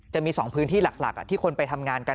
จะมี๒พื้นที่หลักที่คนไปทำงานกัน